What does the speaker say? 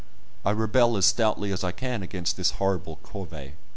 I rebel as stoutly as I can against this horrible, corvée.